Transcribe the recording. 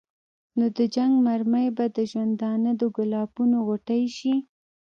نو د جنګ مرمۍ به د ژوندانه د ګلابونو غوټۍ شي.